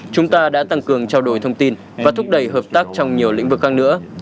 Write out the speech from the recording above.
chúng ta đã tăng cường trao đổi thông tin và thúc đẩy hợp tác trong nhiều lĩnh vực khác nữa